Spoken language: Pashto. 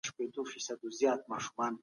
تضاد سته.